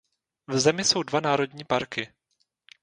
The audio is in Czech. V zemi jsou dva národní parky.